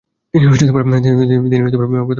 তিনি প্রথম প্রয়াসী হন।